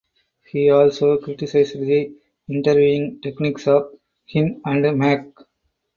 He also criticised the interviewing techniques of Hind and Mack.